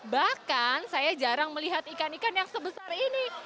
bahkan saya jarang melihat ikan ikan yang sebesar ini